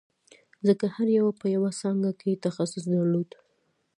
ځکه هر یوه په یوه څانګه کې تخصص درلود